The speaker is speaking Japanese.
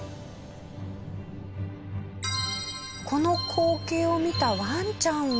この光景を見たワンちゃんは。